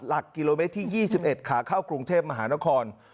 หลักกิโลเมตรที่๒๑ขาเข้ากรุงเทพมหานคร